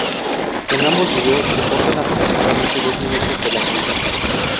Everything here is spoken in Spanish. En ambos vídeos, se cortan aproximadamente dos minutos de la canción.